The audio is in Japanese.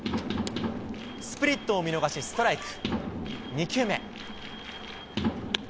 スプリットを見逃しストライク。